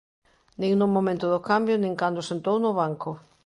Nin no momento do cambio nin cando sentou no banco.